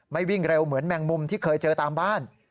วิ่งเร็วเหมือนแมงมุมที่เคยเจอตามบ้าน